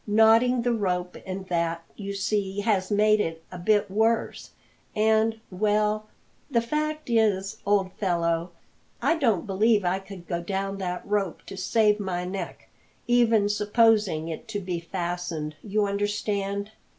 Knotting the rope and that, you see, has made it a bit worse, and well, the fact is, old fellow, I don't believe I could go down that rope to save my neck, even supposing it to be fastened, you understand."